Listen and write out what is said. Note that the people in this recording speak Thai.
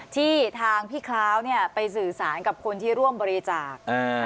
ที่ทางพี่คร้าวไปสื่อสารกับคนที่ร่วมบริจาค